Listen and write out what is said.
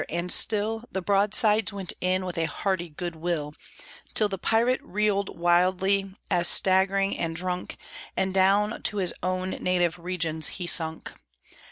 And still The broadsides went in with a hearty good will, Till the pirate reeled wildly, as staggering and drunk, And down to his own native regions he sunk.